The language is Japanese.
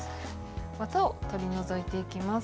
ワタを取り除いていきます。